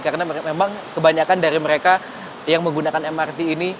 karena memang kebanyakan dari mereka yang menggunakan mrt ini